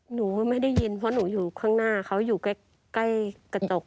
หนูก็ไม่ได้ยินเพราะหนูอยู่ข้างหน้าเขาอยู่ใกล้กระจก